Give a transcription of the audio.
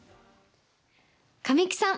神木さん。